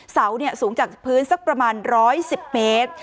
เสาสูงจากพื้นสักประมาณ๑๑๐เมตร